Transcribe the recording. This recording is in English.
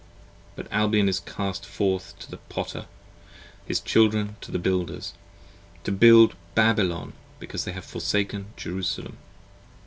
But Albion is cast forth to the Potter, his Children to the Builders, 30 To build Babylon because they have forsaken Jerusalem.